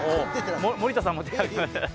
森田さんも手挙げた。